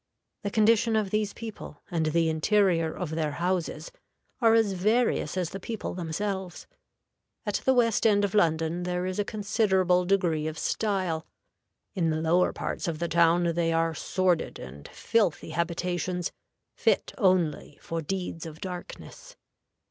The condition of these people and the interior of their houses are as various as the people themselves. At the west end of London there is a considerable degree of style; in the lower parts of the town they are sordid and filthy habitations, fit only for deeds of darkness.